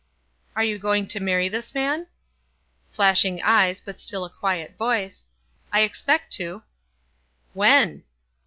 wf Are you going to marry this man?" Flashing eyes, but still a quiet voice. "I expect to." "When?"